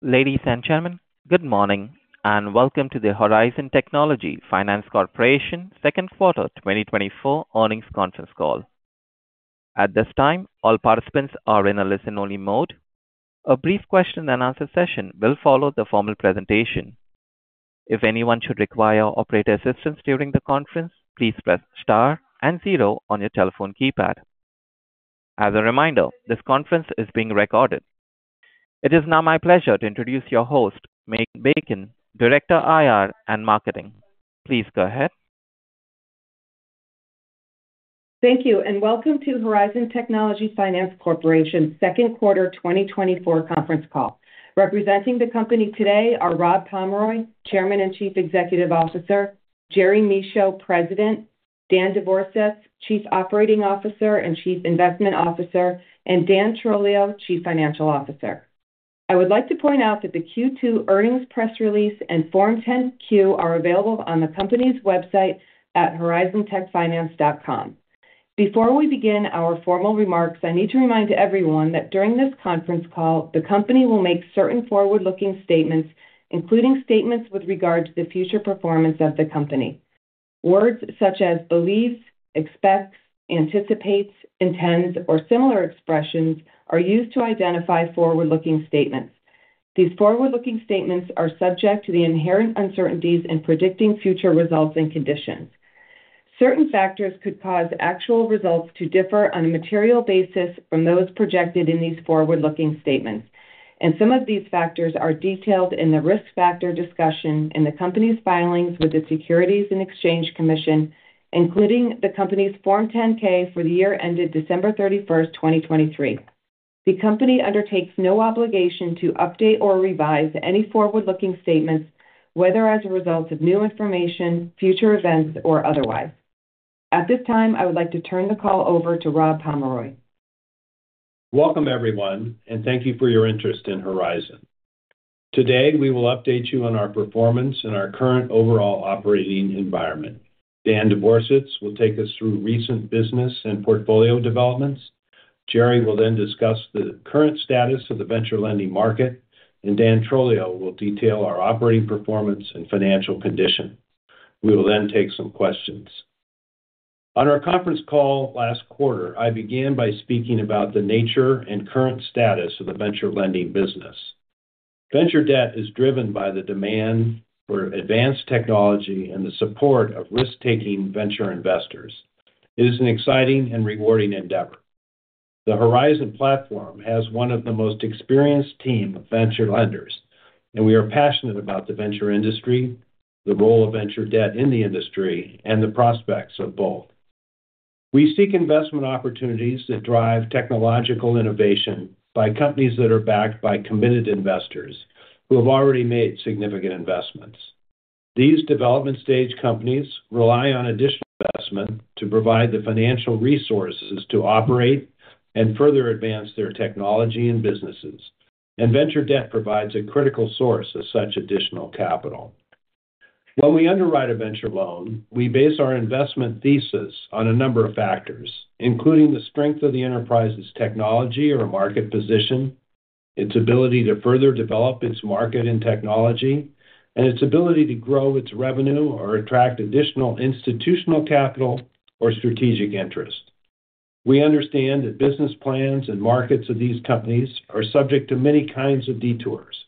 Ladies and gentlemen, good morning and welcome to the Horizon Technology Finance Corporation Q2 2024 earnings conference call. At this time, all participants are in a listen-only mode. A brief question-and-answer session will follow the formal presentation. If anyone should require operator assistance during the conference, please press star and zero on your telephone keypad. As a reminder, this conference is being recorded. It is now my pleasure to introduce your host, Megan Bacon, Director IR and Marketing. Please go ahead. Thank you, and welcome to Horizon Technology Finance Corporation Q2 2024 conference call. Representing the company today are Rob Pomeroy, Chairman and Chief Executive Officer, Jerry Michaud, President, Dan Devorsetz, Chief Operating Officer and Chief Investment Officer, and Dan Trolio, Chief Financial Officer. I would like to point out that the Q2 earnings press release and Form 10-Q are available on the company's website at horizontechfinance.com. Before we begin our formal remarks, I need to remind everyone that during this conference call, the company will make certain forward-looking statements, including statements with regard to the future performance of the company. Words such as believes, expects, anticipates, intends, or similar expressions are used to identify forward-looking statements. These forward-looking statements are subject to the inherent uncertainties in predicting future results and conditions. Certain factors could cause actual results to differ on a material basis from those projected in these forward-looking statements, and some of these factors are detailed in the risk factor discussion in the company's filings with the Securities and Exchange Commission, including the company's Form 10-K for the year ended December 31st 2023. The company undertakes no obligation to update or revise any forward-looking statements, whether as a result of new information, future events, or otherwise. At this time, I would like to turn the call over to Rob Pomeroy. Welcome, everyone, and thank you for your interest in Horizon. Today, we will update you on our performance and our current overall operating environment. Dan Devorsetz will take us through recent business and portfolio developments. Jerry will then discuss the current status of the venture lending market, and Dan Trolio will detail our operating performance and financial condition. We will then take some questions. On our conference call last quarter, I began by speaking about the nature and current status of the venture lending business. Venture debt is driven by the demand for advanced technology and the support of risk-taking venture investors. It is an exciting and rewarding endeavor. The Horizon platform has one of the most experienced teams of venture lenders, and we are passionate about the venture industry, the role of venture debt in the industry, and the prospects of both. We seek investment opportunities that drive technological innovation by companies that are backed by committed investors who have already made significant investments. These development-stage companies rely on additional investment to provide the financial resources to operate and further advance their technology and businesses, and venture debt provides a critical source of such additional capital. When we underwrite a venture loan, we base our investment thesis on a number of factors, including the strength of the enterprise's technology or market position, its ability to further develop its market and technology, and its ability to grow its revenue or attract additional institutional capital or strategic interest. We understand that business plans and markets of these companies are subject to many kinds of detours,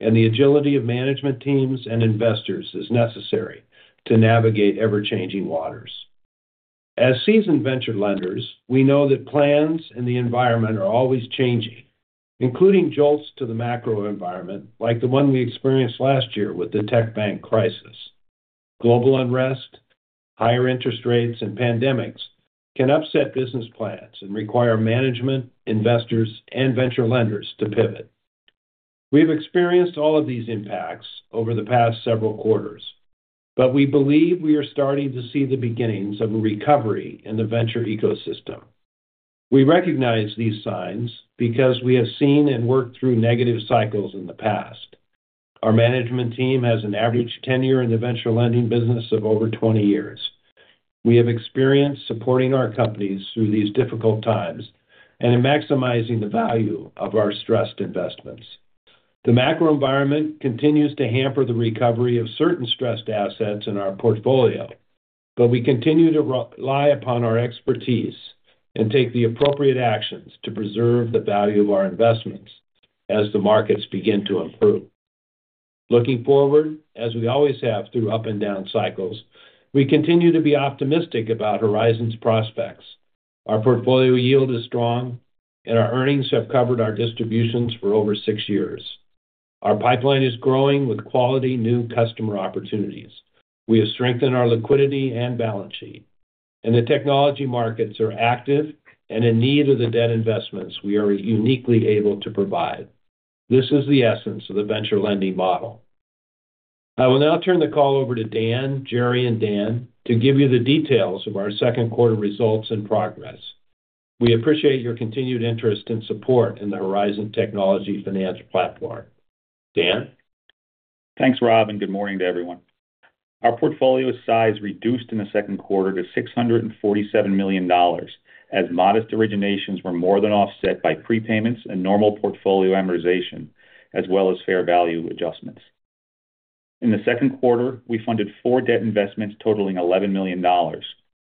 and the agility of management teams and investors is necessary to navigate ever-changing waters. As seasoned venture lenders, we know that plans and the environment are always changing, including jolts to the macro environment like the one we experienced last year with the tech bank crisis. Global unrest, higher interest rates, and pandemics can upset business plans and require management, investors, and venture lenders to pivot. We've experienced all of these impacts over the past several quarters, but we believe we are starting to see the beginnings of a recovery in the venture ecosystem. We recognize these signs because we have seen and worked through negative cycles in the past. Our management team has an average tenure in the venture lending business of over 20 years. We have experience supporting our companies through these difficult times and in maximizing the value of our stressed investments. The macro environment continues to hamper the recovery of certain stressed assets in our portfolio, but we continue to rely upon our expertise and take the appropriate actions to preserve the value of our investments as the markets begin to improve. Looking forward, as we always have through up-and-down cycles, we continue to be optimistic about Horizon's prospects. Our portfolio yield is strong, and our earnings have covered our distributions for over six years. Our pipeline is growing with quality new customer opportunities. We have strengthened our liquidity and balance sheet, and the technology markets are active and in need of the debt investments we are uniquely able to provide. This is the essence of the venture lending model. I will now turn the call over to Dan, Jerry, and Dan to give you the details of our Q2 results and progress. We appreciate your continued interest and support in the Horizon Technology Finance platform. Dan? Thanks, Rob, and good morning to everyone. Our portfolio size reduced in the Q2 to $647 million, as modest originations were more than offset by prepayments and normal portfolio amortization, as well as fair value adjustments. In the Q2, we funded four debt investments totaling $11 million,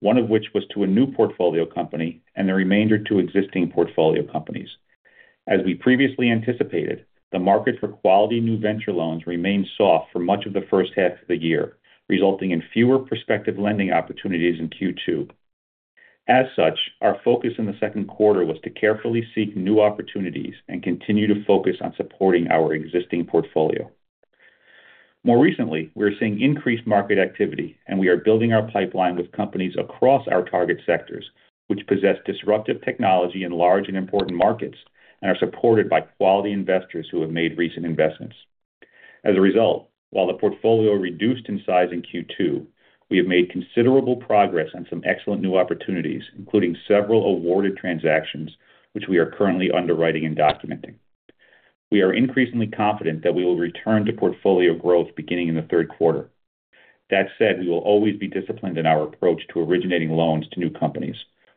one of which was to a new portfolio company and the remainder to existing portfolio companies. As we previously anticipated, the market for quality new venture loans remained soft for much of the H1 of the year, resulting in fewer prospective lending opportunities in Q2. As such, our focus in the Q2 was to carefully seek new opportunities and continue to focus on supporting our existing portfolio. More recently, we are seeing increased market activity, and we are building our pipeline with companies across our target sectors, which possess disruptive technology in large and important markets and are supported by quality investors who have made recent investments. As a result, while the portfolio reduced in size in Q2, we have made considerable progress on some excellent new opportunities, including several awarded transactions, which we are currently underwriting and documenting. We are increasingly confident that we will return to portfolio growth beginning in the Q3. That said, we will always be disciplined in our approach to originating loans to new companies.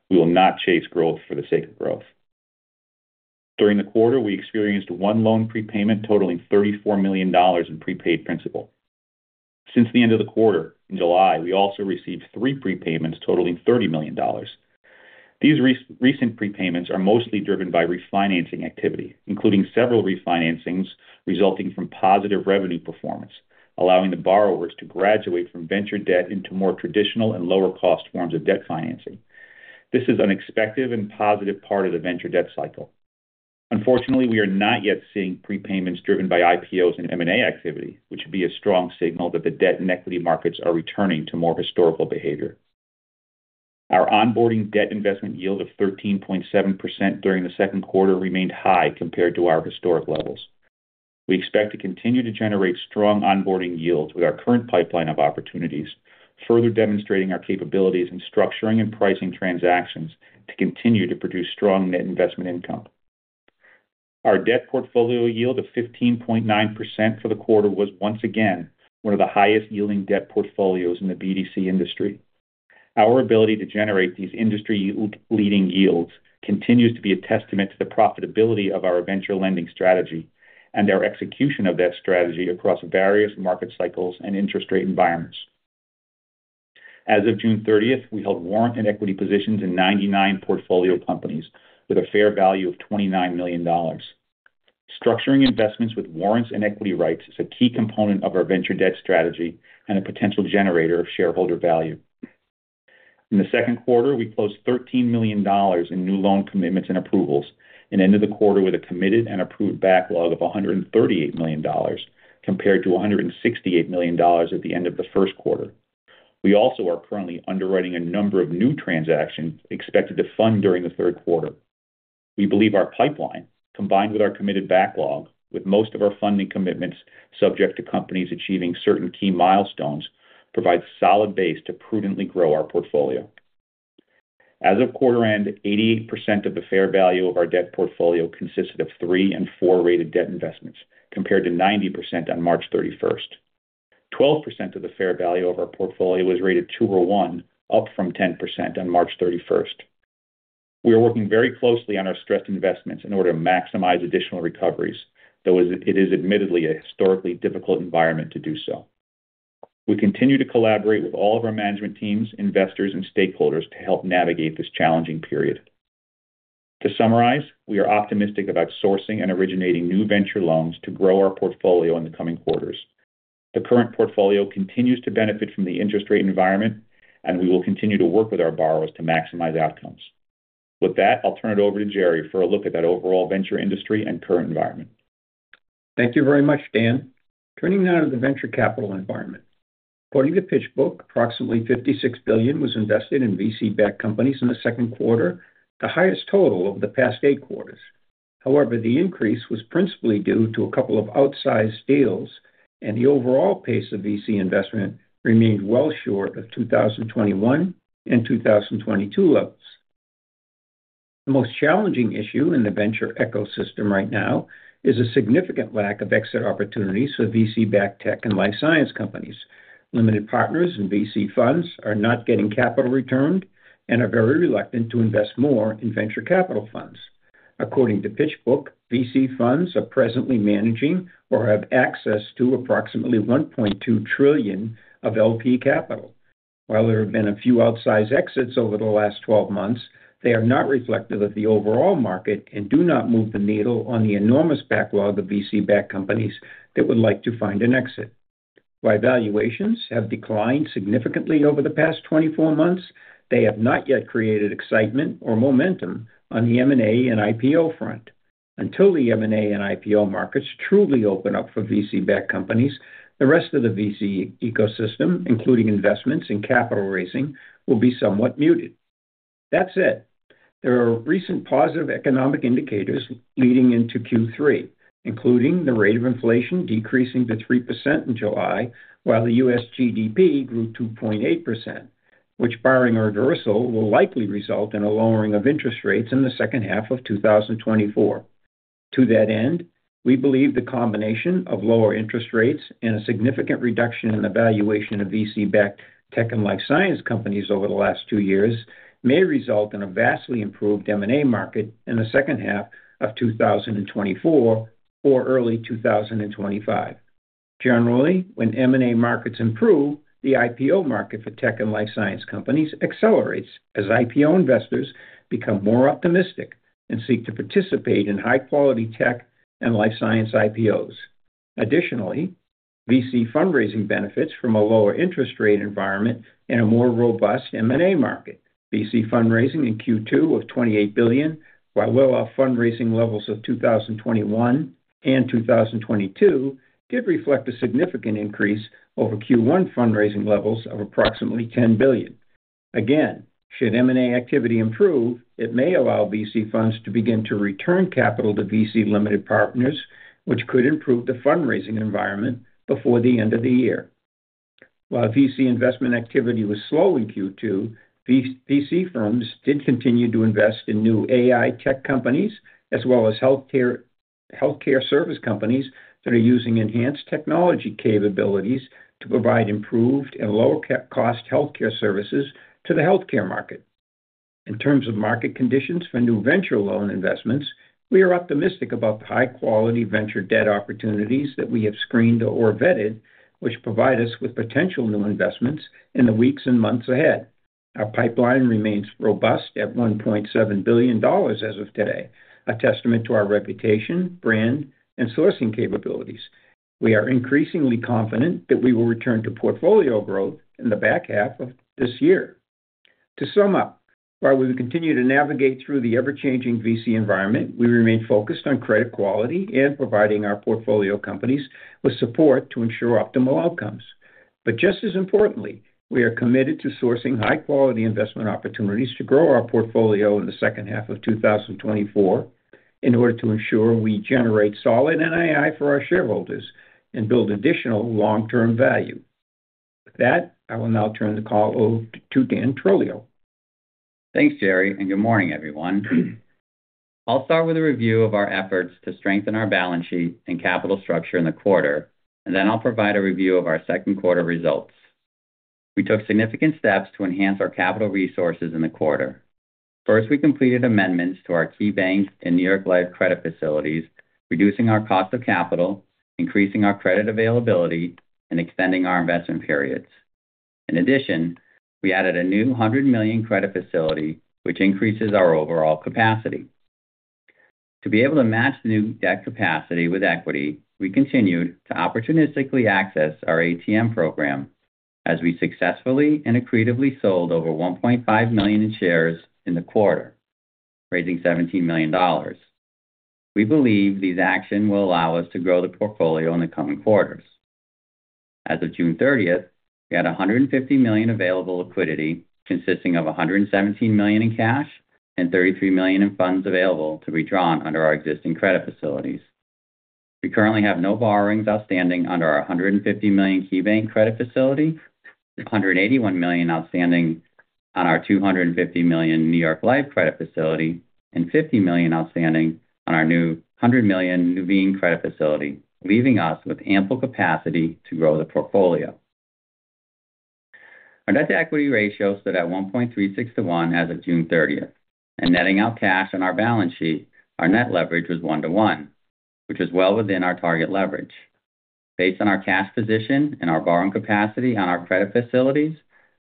We will not chase growth for the sake of growth. During the quarter, we experienced one loan prepayment totaling $34 million in prepaid principal. Since the end of the quarter, in July, we also received three prepayments totaling $30 million. These recent prepayments are mostly driven by refinancing activity, including several refinancings resulting from positive revenue performance, allowing the borrowers to graduate from venture debt into more traditional and lower-cost forms of debt financing. This is an expected and positive part of the venture debt cycle. Unfortunately, we are not yet seeing prepayments driven by IPOs and M&A activity, which would be a strong signal that the debt and equity markets are returning to more historical behavior. Our onboarding debt investment yield of 13.7% during the Q2 remained high compared to our historic levels. We expect to continue to generate strong onboarding yields with our current pipeline of opportunities, further demonstrating our capabilities in structuring and pricing transactions to continue to produce strong net investment income. Our debt portfolio yield of 15.9% for the quarter was once again one of the highest-yielding debt portfolios in the BDC industry. Our ability to generate these industry-leading yields continues to be a testament to the profitability of our venture lending strategy and our execution of that strategy across various market cycles and interest rate environments. As of June 30th, we held warrant and equity positions in 99 portfolio companies with a fair value of $29 million. Structuring investments with warrants and equity rights is a key component of our venture debt strategy and a potential generator of shareholder value. In the Q2, we closed $13 million in new loan commitments and approvals and ended the quarter with a committed and approved backlog of $138 million, compared to $168 million at the end of the Q1. We also are currently underwriting a number of new transactions expected to fund during the Q3. We believe our pipeline, combined with our committed backlog, with most of our funding commitments subject to companies achieving certain key milestones, provides a solid base to prudently grow our portfolio. As of quarter end, 88% of the fair value of our debt portfolio consisted of three and four-rated debt investments, compared to 90% on March 31st. 12% of the fair value of our portfolio was rated two or one, up from 10% on March 31st. We are working very closely on our stressed investments in order to maximize additional recoveries, though it is admittedly a historically difficult environment to do so. We continue to collaborate with all of our management teams, investors, and stakeholders to help navigate this challenging period. To summarize, we are optimistic about sourcing and originating new venture loans to grow our portfolio in the coming quarters. The current portfolio continues to benefit from the interest rate environment, and we will continue to work with our borrowers to maximize outcomes. With that, I'll turn it over to Jerry for a look at that overall venture industry and current environment. Thank you very much, Dan. Turning now to the venture capital environment. According to PitchBook, approximately $56 billion was invested in VC-backed companies in the Q2, the highest total over the past eight quarters. However, the increase was principally due to a couple of outsized deals, and the overall pace of VC investment remained well short of 2021 and 2022 levels. The most challenging issue in the venture ecosystem right now is a significant lack of exit opportunities for VC-backed tech and life science companies. Limited partners and VC funds are not getting capital returned and are very reluctant to invest more in venture capital funds. According to PitchBook, VC funds are presently managing or have access to approximately $1.2 trillion of LP capital. While there have been a few outsized exits over the last 12 months, they are not reflective of the overall market and do not move the needle on the enormous backlog of VC-backed companies that would like to find an exit. While valuations have declined significantly over the past 24 months, they have not yet created excitement or momentum on the M&A and IPO front. Until the M&A and IPO markets truly open up for VC-backed companies, the rest of the VC ecosystem, including investments and capital raising, will be somewhat muted. That said, there are recent positive economic indicators leading into Q3, including the rate of inflation decreasing to 3% in July, while the U.S. GDP grew 2.8%, which, barring a reversal, will likely result in a lowering of interest rates in the H2 of 2024. To that end, we believe the combination of lower interest rates and a significant reduction in the valuation of VC-backed tech and life science companies over the last two years may result in a vastly improved M&A market in the H2 of 2024 or early 2025. Generally, when M&A markets improve, the IPO market for tech and life science companies accelerates as IPO investors become more optimistic and seek to participate in high-quality tech and life science IPOs. Additionally, VC fundraising benefits from a lower interest rate environment and a more robust M&A market. VC fundraising in Q2 was $28 billion, while well below fundraising levels of 2021 and 2022 did reflect a significant increase over Q1 fundraising levels of approximately $10 billion. Again, should M&A activity improve, it may allow VC funds to begin to return capital to VC limited partners, which could improve the fundraising environment before the end of the year. While VC investment activity was slow in Q2, VC firms did continue to invest in new AI tech companies as well as healthcare service companies that are using enhanced technology capabilities to provide improved and lower-cost healthcare services to the healthcare market. In terms of market conditions for new venture loan investments, we are optimistic about the high-quality venture debt opportunities that we have screened or vetted, which provide us with potential new investments in the weeks and months ahead. Our pipeline remains robust at $1.7 billion as of today, a testament to our reputation, brand, and sourcing capabilities. We are increasingly confident that we will return to portfolio growth in the back half of this year. To sum up, while we continue to navigate through the ever-changing VC environment, we remain focused on credit quality and providing our portfolio companies with support to ensure optimal outcomes. But just as importantly, we are committed to sourcing high-quality investment opportunities to grow our portfolio in the H2 of 2024 in order to ensure we generate solid NII for our shareholders and build additional long-term value. With that, I will now turn the call over to Dan Trolio. Thanks, Jerry, and good morning, everyone. I'll start with a review of our efforts to strengthen our balance sheet and capital structure in the quarter, and then I'll provide a review of our Q2 results. We took significant steps to enhance our capital resources in the quarter. First, we completed amendments to our KeyBank and New York Life credit facilities, reducing our cost of capital, increasing our credit availability, and extending our investment periods. In addition, we added a new $100 million credit facility, which increases our overall capacity. To be able to match the new debt capacity with equity, we continued to opportunistically access our ATM program as we successfully and accretively sold over $1.5 million in shares in the quarter, raising $17 million. We believe these actions will allow us to grow the portfolio in the coming quarters. As of June 30th, we had $150 million available liquidity, consisting of $117 million in cash and $33 million in funds available to be drawn under our existing credit facilities. We currently have no borrowings outstanding under our $150 million KeyBank credit facility, $181 million outstanding on our $250 million New York Life credit facility, and $50 million outstanding on our new $100 million Nuveen credit facility, leaving us with ample capacity to grow the portfolio. Our debt-to-equity ratio stood at 1.36 to 1 as of June 30th, and netting out cash on our balance sheet, our net leverage was 1 to 1, which was well within our target leverage. Based on our cash position and our borrowing capacity on our credit facilities,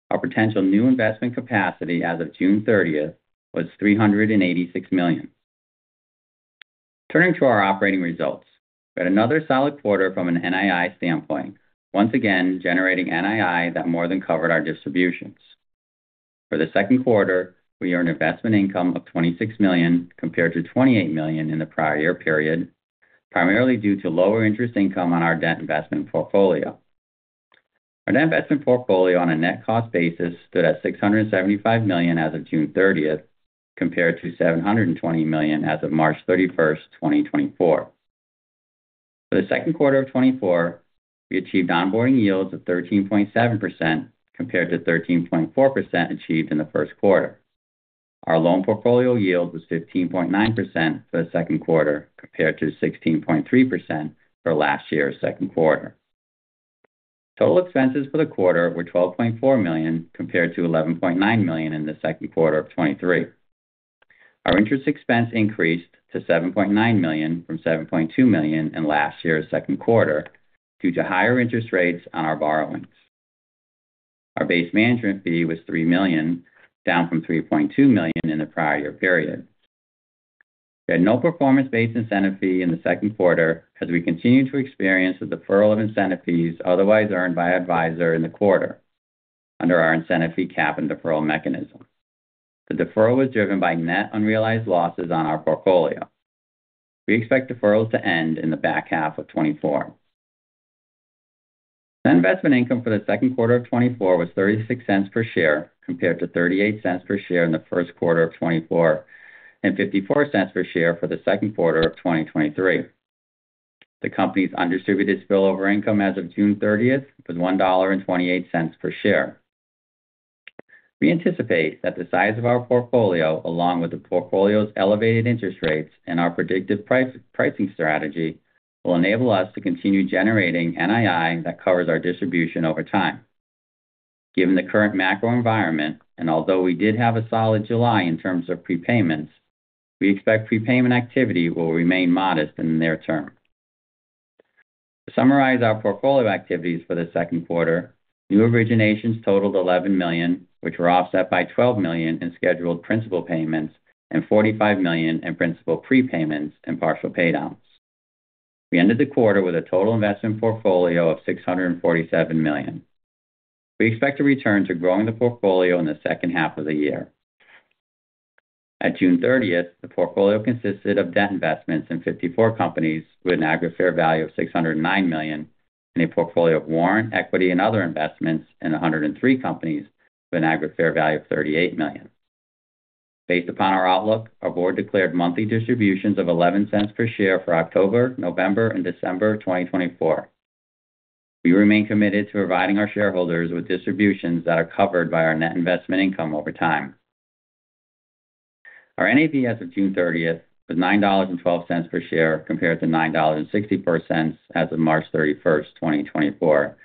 our potential new investment capacity as of June 30th was $386 million. Turning to our operating results, we had another solid quarter from an NII standpoint, once again generating NII that more than covered our distributions. For the Q2, we earned investment income of $26 million compared to $28 million in the prior year period, primarily due to lower interest income on our debt investment portfolio. Our debt investment portfolio on a net cost basis stood at $675 million as of June 30th, compared to $720 million as of March 31st, 2024. For the Q2 of 2024, we achieved onboarding yields of 13.7% compared to 13.4% achieved in the Q1. Our loan portfolio yield was 15.9% for the Q2 compared to 16.3% for last year's Q2. Total expenses for the quarter were $12.4 million compared to $11.9 million in the Q2 of 2023. Our interest expense increased to $7.9 million from $7.2 million in last year's Q2 due to higher interest rates on our borrowings. Our base management fee was $3 million, down from $3.2 million in the prior year period. We had no performance-based incentive fee in the Q2 as we continued to experience a deferral of incentive fees otherwise earned by Advisor in the quarter under our incentive fee cap and deferral mechanism. The deferral was driven by net unrealized losses on our portfolio. We expect deferrals to end in the back half of 2024. Net investment income for the Q2 of 2024 was $0.36 per share compared to $0.38 per share in the Q1 of 2024 and $0.54 per share for the Q2 of 2023. The company's undistributed spillover income as of June 30th was $1.28 per share. We anticipate that the size of our portfolio, along with the portfolio's elevated interest rates and our predictive pricing strategy, will enable us to continue generating NII that covers our distribution over time. Given the current macro environment, and although we did have a solid July in terms of prepayments, we expect prepayment activity will remain modest in the near term. To summarize our portfolio activities for the Q2, new originations totaled $11 million, which were offset by $12 million in scheduled principal payments and $45 million in principal prepayments and partial paydowns. We ended the quarter with a total investment portfolio of $647 million. We expect to return to growing the portfolio in the H2 of the year. At June 30th, the portfolio consisted of debt investments in 54 companies with an aggregate fair value of $609 million, and a portfolio of warrant, equity, and other investments in 103 companies with an aggregate fair value of $38 million. Based upon our outlook, our board declared monthly distributions of $0.11 per share for October, November, and December of 2024. We remain committed to providing our shareholders with distributions that are covered by our net investment income over time. Our NAV as of June 30th was $9.12 per share compared to $9.64 as of March 31st, 2024,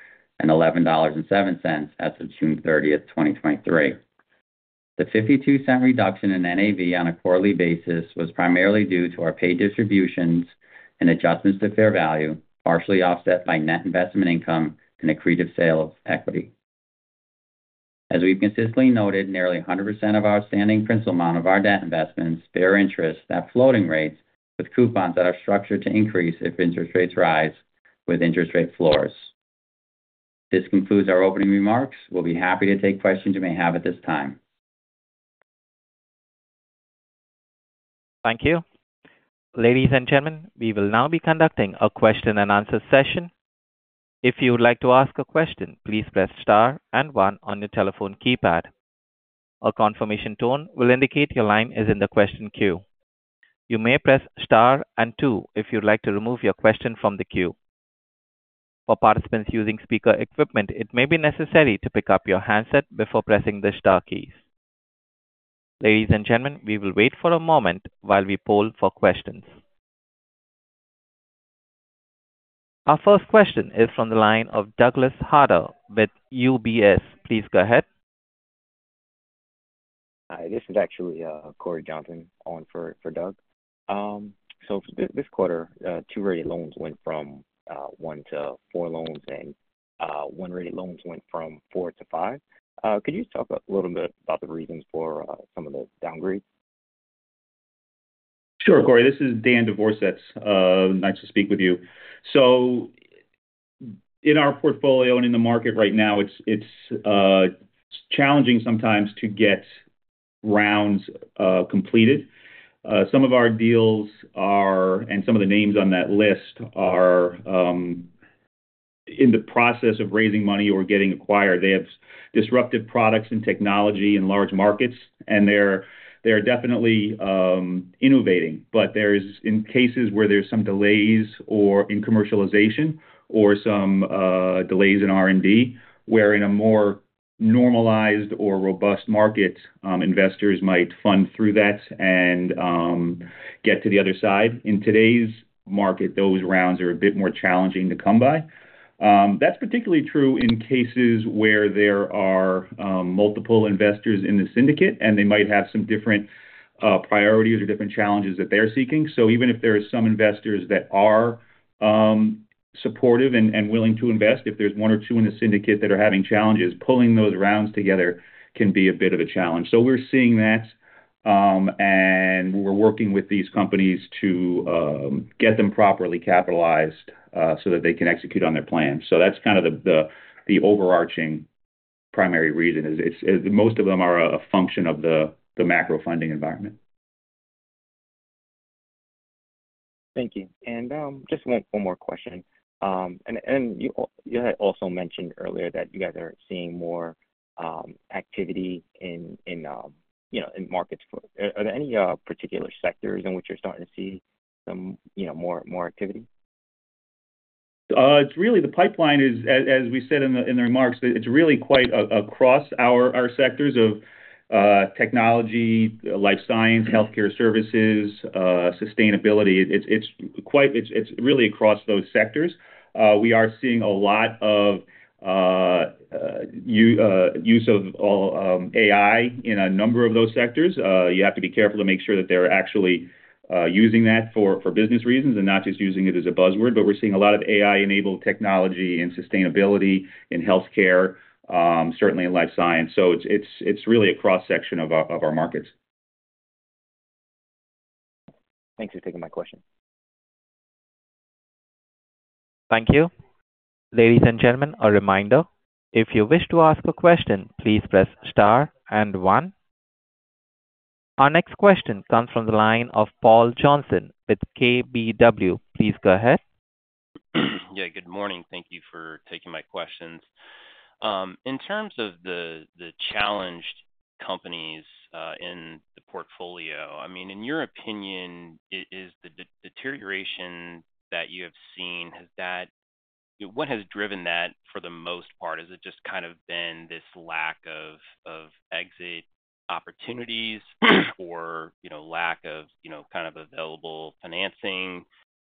and $11.07 as of June 30th, 2023. The $0.52 reduction in NAV on a quarterly basis was primarily due to our paid distributions and adjustments to fair value, partially offset by net investment income and accretive sale of equity. As we've consistently noted, nearly 100% of our outstanding principal amount of our debt investments bear interest at floating rates with coupons that are structured to increase if interest rates rise, with interest rate floors. This concludes our opening remarks. We'll be happy to take questions you may have at this time. Thank you. Ladies and gentlemen, we will now be conducting a question and answer session. If you would like to ask a question, please press star and one on your telephone keypad. A confirmation tone will indicate your line is in the question queue. You may press star and two if you'd like to remove your question from the queue. For participants using speaker equipment, it may be necessary to pick up your handset before pressing the star keys. Ladies and gentlemen, we will wait for a moment while we poll for questions. Our first question is from the line of Douglas Harter with UBS. Please go ahead. Hi, this is actually Cory Johnson calling for Doug. So this quarter, two rated loans went from one to four loans, and one rated loans went from four to five. Could you talk a little bit about the reasons for some of the downgrades? Sure, Cory. This is Dan Devorsetz. Nice to speak with you. So in our portfolio and in the market right now, it's challenging sometimes to get rounds completed. Some of our deals and some of the names on that list are in the process of raising money or getting acquired. They have disruptive products and technology in large markets, and they're definitely innovating. But there's cases where there's some delays in commercialization or some delays in R&D, where in a more normalized or robust market, investors might fund through that and get to the other side. In today's market, those rounds are a bit more challenging to come by. That's particularly true in cases where there are multiple investors in the syndicate, and they might have some different priorities or different challenges that they're seeking. So even if there are some investors that are supportive and willing to invest, if there's one or two in the syndicate that are having challenges, pulling those rounds together can be a bit of a challenge. So we're seeing that, and we're working with these companies to get them properly capitalized so that they can execute on their plan. So that's kind of the overarching primary reason. Most of them are a function of the macro funding environment. Thank you. Just one more question. You had also mentioned earlier that you guys are seeing more activity in markets. Are there any particular sectors in which you're starting to see some more activity? It's really the pipeline is, as we said in the remarks, it's really quite across our sectors of technology, life science, healthcare services, sustainability. It's really across those sectors. We are seeing a lot of use of AI in a number of those sectors. You have to be careful to make sure that they're actually using that for business reasons and not just using it as a buzzword. But we're seeing a lot of AI-enabled technology in sustainability, in healthcare, certainly in life science. So it's really a cross-section of our markets. Thanks for taking my question. Thank you. Ladies and gentlemen, a reminder, if you wish to ask a question, please press star and one. Our next question comes from the line of Paul Johnson with KBW. Please go ahead. Yeah, good morning. Thank you for taking my questions. In terms of the challenged companies in the portfolio, I mean, in your opinion, is the deterioration that you have seen, what has driven that for the most part? Has it just kind of been this lack of exit opportunities or lack of kind of available financing?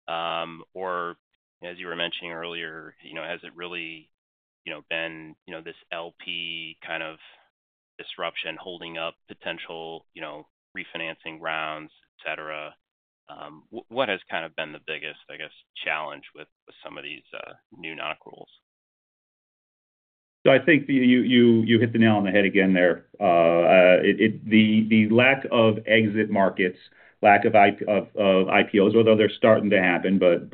Or, as you were mentioning earlier, has it really been this LP kind of disruption holding up potential refinancing rounds, etc.? What has kind of been the biggest, I guess, challenge with some of these new non-accruals? So I think you hit the nail on the head again there. The lack of exit markets, lack of IPOs, although they're starting to happen, but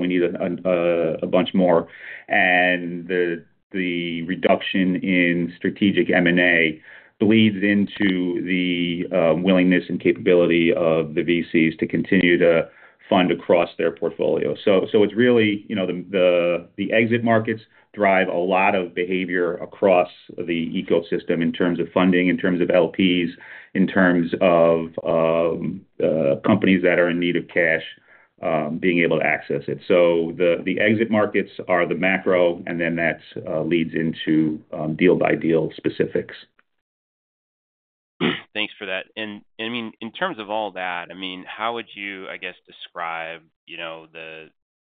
we need a bunch more. And the reduction in strategic M&A bleeds into the willingness and capability of the VCs to continue to fund across their portfolio. So it's really the exit markets drive a lot of behavior across the ecosystem in terms of funding, in terms of LPs, in terms of companies that are in need of cash being able to access it. So the exit markets are the macro, and then that leads into deal-by-deal specifics. Thanks for that. I mean, in terms of all that, I mean, how would you, I guess, describe the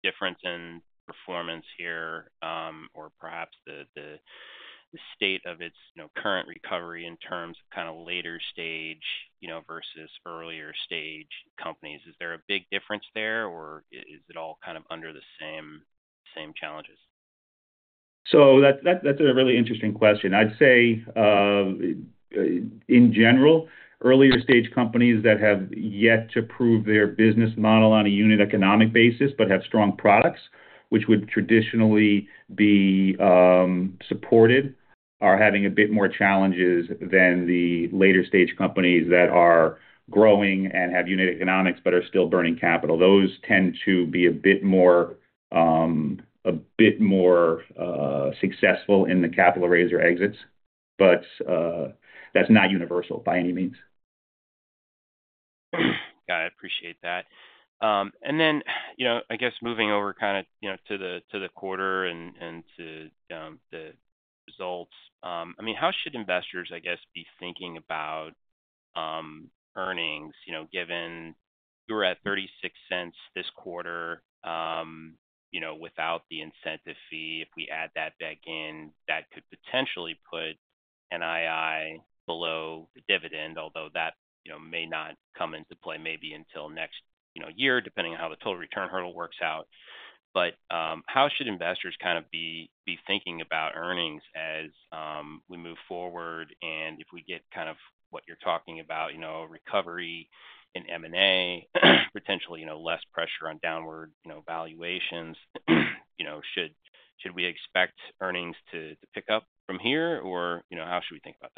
difference in performance here or perhaps the state of its current recovery in terms of kind of later stage versus earlier stage companies? Is there a big difference there, or is it all kind of under the same challenges? So that's a really interesting question. I'd say, in general, earlier stage companies that have yet to prove their business model on a unit economic basis but have strong products, which would traditionally be supported, are having a bit more challenges than the later stage companies that are growing and have unit economics but are still burning capital. Those tend to be a bit more successful in the capital raises or exits, but that's not universal by any means. Got it. I appreciate that. And then, I guess, moving over kind of to the quarter and to the results, I mean, how should investors, I guess, be thinking about earnings given we're at $0.36 this quarter without the incentive fee? If we add that back in, that could potentially put NII below the dividend, although that may not come into play maybe until next year, depending on how the total return hurdle works out. But how should investors kind of be thinking about earnings as we move forward? And if we get kind of what you're talking about, recovery in M&A, potentially less pressure on downward valuations, should we expect earnings to pick up from here? Or how should we think about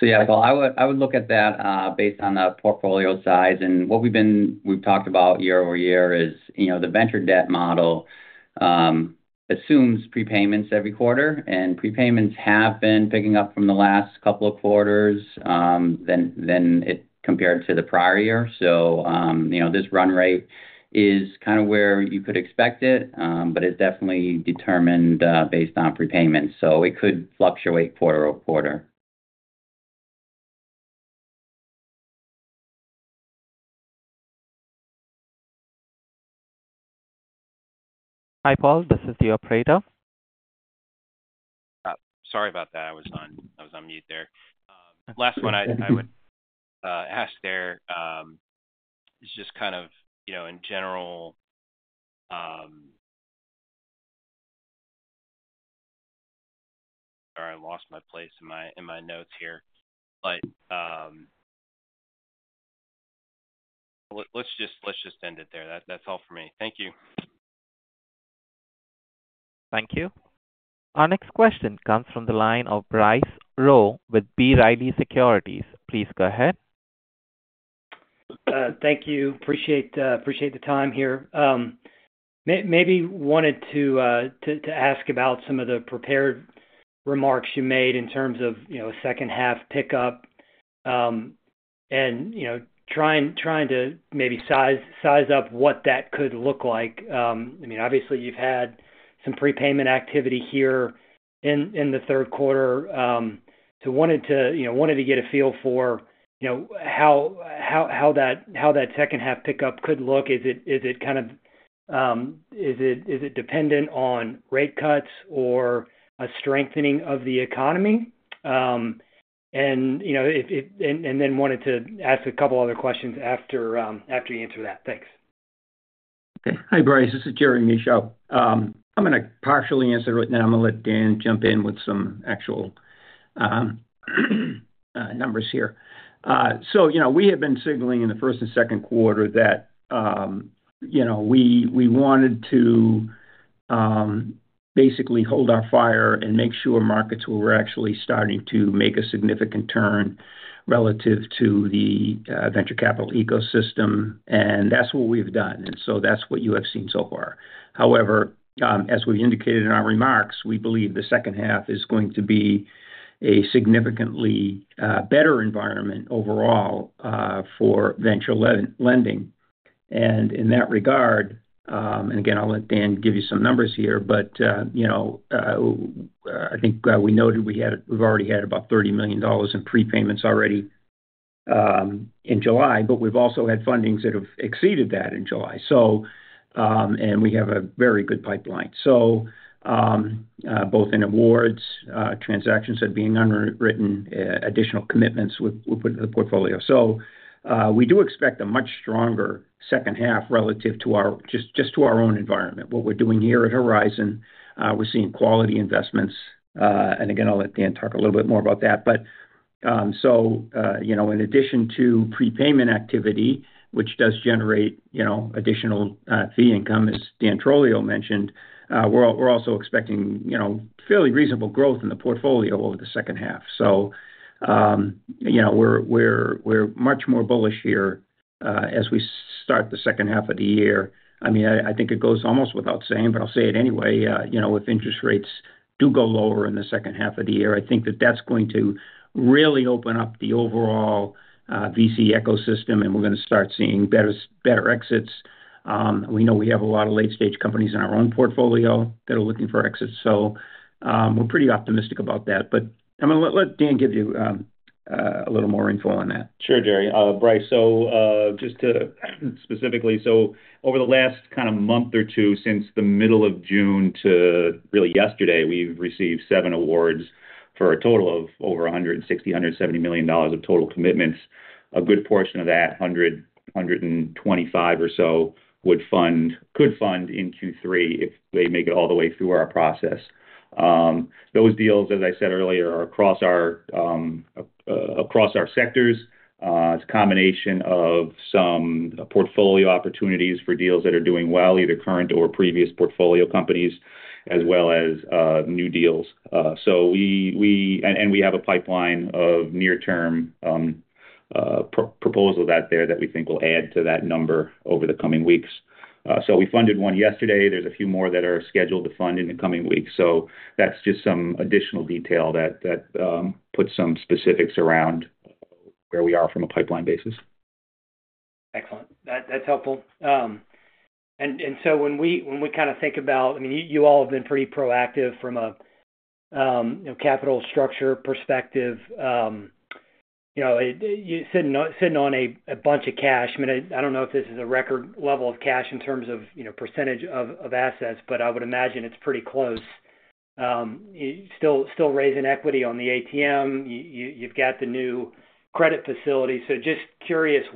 that? Yeah, I would look at that based on the portfolio size. And what we've talked about year-over-year is the venture debt model assumes prepayments every quarter, and prepayments have been picking up from the last couple of quarters compared to the prior year. So this run rate is kind of where you could expect it, but it's definitely determined based on prepayments. So it could fluctuate quarter-over-quarter. Hi, Paul. This is the operator. Sorry about that. I was on mute there. Last one I would ask there is just kind of, in general, sorry, I lost my place in my notes here, but let's just end it there. That's all for me. Thank you. Thank you. Our next question comes from the line of Bryce Rowe with B. Riley Securities. Please go ahead. Thank you. Appreciate the time here. Maybe wanted to ask about some of the prepared remarks you made in terms of H2 pickup and trying to maybe size up what that could look like. I mean, obviously, you've had some prepayment activity here in the Q3. So wanted to get a feel for how that H2 pickup could look. Is it kind of dependent on rate cuts or a strengthening of the economy? And then wanted to ask a couple of other questions after you answer that. Thanks. Okay. Hi, Bryce. This is Jerry Michaud. I'm going to partially answer it, and then I'm going to let Dan jump in with some actual numbers here. So we have been signaling in the Q1 and Q2 that we wanted to basically hold our fire and make sure markets were actually starting to make a significant turn relative to the venture capital ecosystem. And that's what we've done. And so that's what you have seen so far. However, as we've indicated in our remarks, we believe the H2 is going to be a significantly better environment overall for venture lending. And in that regard, and again, I'll let Dan give you some numbers here, but I think we noted we've already had about $30 million in prepayments already in July, but we've also had fundings that have exceeded that in July. And we have a very good pipeline. So both in awards, transactions that are being underwritten, additional commitments we're putting in the portfolio. We do expect a much stronger H2 relative to just our own environment. What we're doing here at Horizon, we're seeing quality investments. And again, I'll let Dan talk a little bit more about that. But so in addition to prepayment activity, which does generate additional fee income, as Dan Trolio mentioned, we're also expecting fairly reasonable growth in the portfolio over the H2. We're much more bullish here as we start the H2 of the year. I mean, I think it goes almost without saying, but I'll say it anyway. If interest rates do go lower in the H2 of the year, I think that that's going to really open up the overall VC ecosystem, and we're going to start seeing better exits. We know we have a lot of late-stage companies in our own portfolio that are looking for exits. So we're pretty optimistic about that. But I'm going to let Dan give you a little more info on that. Sure, Jerry. Bryce, so just specifically, so over the last kind of month or two since the middle of June to really yesterday, we've received seven awards for a total of over $160-$170 million of total commitments. A good portion of that, $125 million or so, could fund in Q3 if they make it all the way through our process. Those deals, as I said earlier, are across our sectors. It's a combination of some portfolio opportunities for deals that are doing well, either current or previous portfolio companies, as well as new deals. We have a pipeline of near-term proposals out there that we think will add to that number over the coming weeks. We funded one yesterday. There's a few more that are scheduled to fund in the coming weeks. That's just some additional detail that puts some specifics around where we are from a pipeline basis. Excellent. That's helpful. And so when we kind of think about, I mean, you all have been pretty proactive from a capital structure perspective. Sitting on a bunch of cash, I mean, I don't know if this is a record level of cash in terms of percentage of assets, but I would imagine it's pretty close. Still raising equity on the ATM. You've got the new credit facility. So just curious,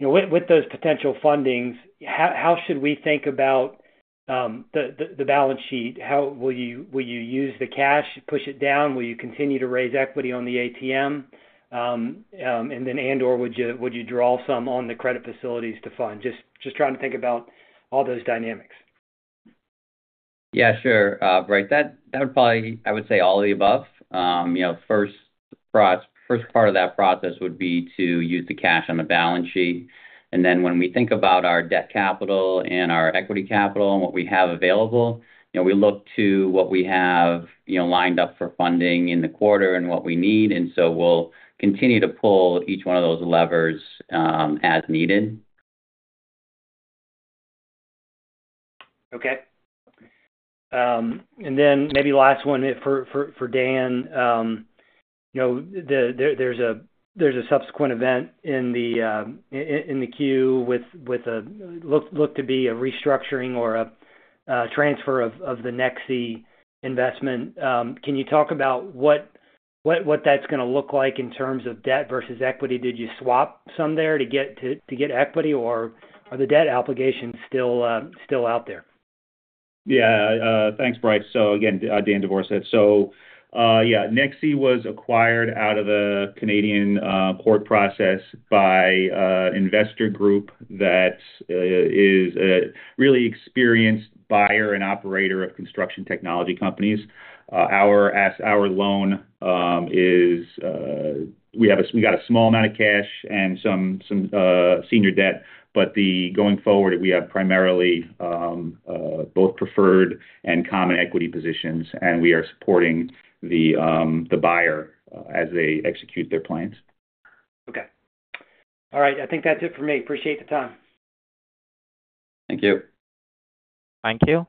with those potential fundings, how should we think about the balance sheet? Will you use the cash, push it down? Will you continue to raise equity on the ATM? And then, and/or would you draw some on the credit facilities to fund? Just trying to think about all those dynamics. Yeah, sure. Right. That would probably, I would say, all of the above. First part of that process would be to use the cash on the balance sheet. And then when we think about our debt capital and our equity capital and what we have available, we look to what we have lined up for funding in the quarter and what we need. And so we'll continue to pull each one of those levers as needed. Okay. And then maybe last one for Dan. There's a subsequent event in the Q with what looked to be a restructuring or a transfer of the Nexii investment. Can you talk about what that's going to look like in terms of debt versus equity? Did you swap some there to get equity, or are the debt obligations still out there? Yeah. Thanks, Bryce. So again, Dan Devorsetz. So yeah, Nexii was acquired out of the Canadian court process by an investor group that is a really experienced buyer and operator of construction technology companies. Our loan is we got a small amount of cash and some senior debt, but going forward, we have primarily both preferred and common equity positions, and we are supporting the buyer as they execute their plans. Okay. All right. I think that's it for me. Appreciate the time. Thank you. Thank you.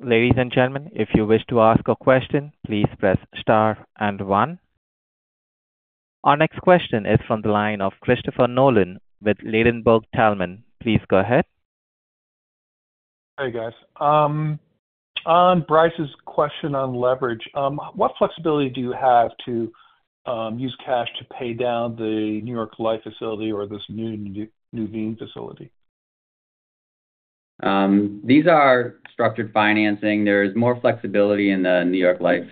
Ladies and gentlemen, if you wish to ask a question, please press star and one. Our next question is from the line of Christopher Nolan with Ladenburg Thalmann. Please go ahead. Hey, guys. On Bryce's question on leverage, what flexibility do you have to use cash to pay down the New York Life facility or this new Nuveen facility? These are structured financing. There is more flexibility in the New York Life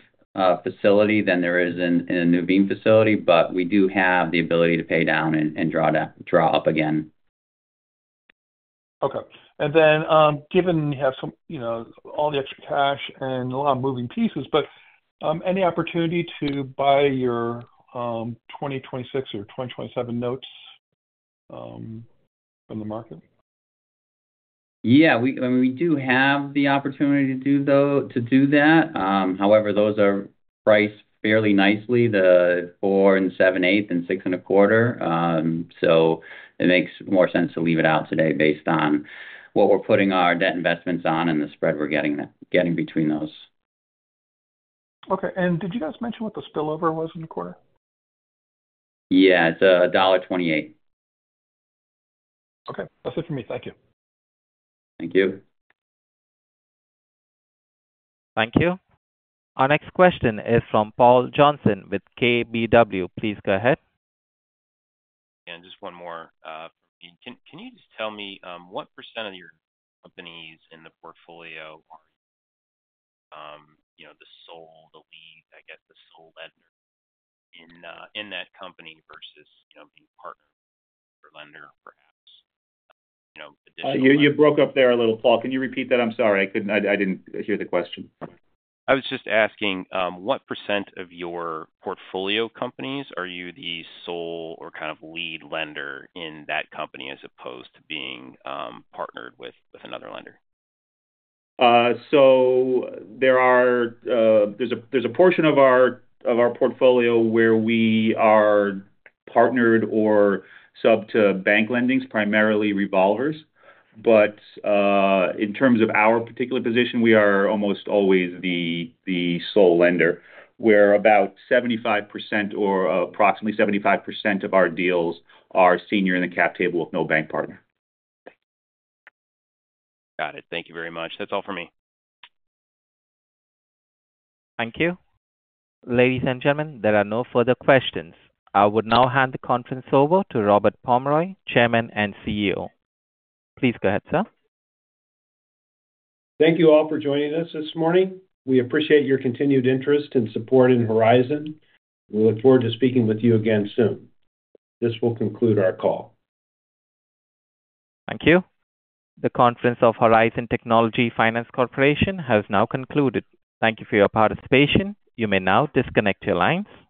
facility than there is in a Nuveen facility, but we do have the ability to pay down and draw up again. Okay. And then given you have all the extra cash and a lot of moving pieces, but any opportunity to buy your 2026 or 2027 notes from the market? Yeah. I mean, we do have the opportunity to do that. However, those are priced fairly nicely, the 4.78 and 6.25. So it makes more sense to leave it out today based on what we're putting our debt investments on and the spread we're getting between those. Okay. And did you guys mention what the spillover was in the quarter? Yeah. It's $1.28. Okay. That's it for me. Thank you. Thank you. Thank you. Our next question is from Paul Johnson with KBW. Please go ahead. Again, just one more from me. Can you just tell me what percent of your companies in the portfolio are the sole lead, I guess, the sole lender in that company versus being partner or lender, perhaps? You broke up there a little, Paul. Can you repeat that? I'm sorry. I didn't hear the question. I was just asking what percent of your portfolio companies are you the sole or kind of lead lender in that company as opposed to being partnered with another lender? There's a portion of our portfolio where we are partnered or sub to bank lendings, primarily revolvers. In terms of our particular position, we are almost always the sole lender. We're about 75% or approximately 75% of our deals are senior in the cap table with no bank partner. Got it. Thank you very much. That's all for me. Thank you. Ladies and gentlemen, there are no further questions. I would now hand the conference over to Robert Pomeroy, Chairman and CEO. Please go ahead, sir. Thank you all for joining us this morning. We appreciate your continued interest and support in Horizon. We look forward to speaking with you again soon. This will conclude our call. Thank you. The conference of Horizon Technology Finance Corporation has now concluded. Thank you for your participation. You may now disconnect your lines.